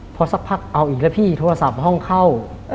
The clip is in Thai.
พอสักพักเอาอีกแล้วพี่โทรศัพท์ห้องเข้า